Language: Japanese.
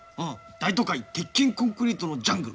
「大都会鉄筋コンクリートのジャングル。